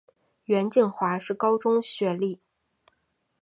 袁敬华是高中学历。